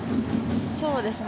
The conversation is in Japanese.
そうですね。